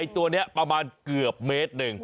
ตัวนี้ประมาณเกือบเมตรหนึ่ง